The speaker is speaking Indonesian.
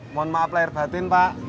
mohon maaf lahir batin pak